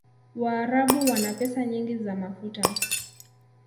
waarabu wana pesa nyingi za mafuta